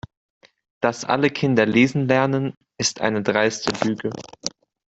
Dass alle Kinder lesen lernen, ist eine dreiste Lüge.